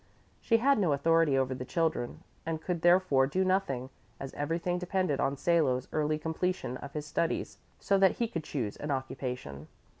She had no authority over the children and could therefore do nothing, as everything depended on Salo's early completion of his studies so that he could choose an occupation.